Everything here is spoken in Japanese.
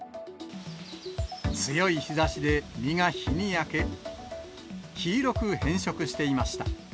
強い日ざしで、実が日に焼け、黄色く変色していました。